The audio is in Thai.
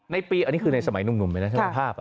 ในปีอันนี้คือในสมัยหนุ่มเลยนะถ้าเป็นภาพ